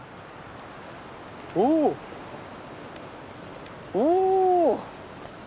おおっお！